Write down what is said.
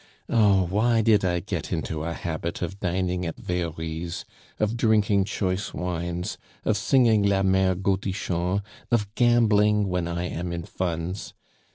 Oh, why did I get into a habit of dining at Very's, of drinking choice wines, of singing La Mere Godichon, of gambling when I am in funds?